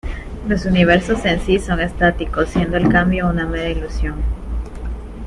Los universos en sí son estáticos, siendo el cambio una mera ilusión.